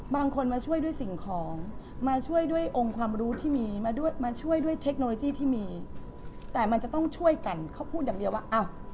บางคนมาช่วยด้วยสิ่งของมาช่วยด้วยองค์ความรู้ที่มีมาด้วยมาช่วยด้วยเทคโนโลยีที่มีแต่มันจะต้องช่วยกันเขาพูดอย่างเดียวว่าอ้าว